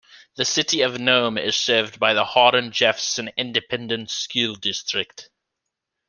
The City of Nome is served by the Hardin-Jefferson Independent School District.